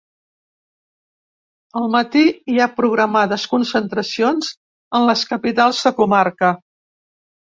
Al matí hi ha programades concentracions en les capitals de comarca.